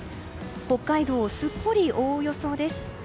北海道をすっぽり覆う予想です。